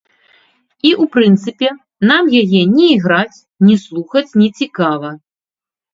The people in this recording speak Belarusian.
І ў прынцыпе, нам яе ні іграць, ні слухаць нецікава.